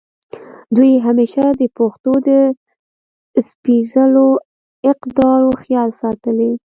دوي همېشه د پښتو د سپېځلو اقدارو خيال ساتلے